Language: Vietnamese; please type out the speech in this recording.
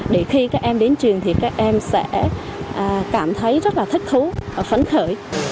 để khi các em đến trường thì các em sẽ cảm thấy rất là thích thú phấn khởi